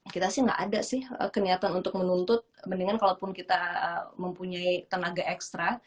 kita sih nggak ada sih keniatan untuk menuntut mendingan kalaupun kita mempunyai tenaga ekstra